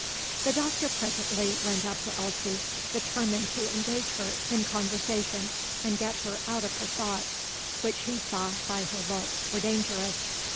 The Doctor presently went up to Elsie, determined to engage her in conversation and get her out of her thoughts, which he saw, by her look, were dangerous.